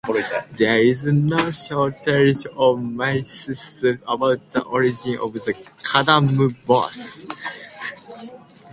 There is no shortage of myths about the origin of the Kadambas.